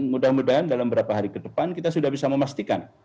mudah mudahan dalam beberapa hari ke depan kita sudah bisa memastikan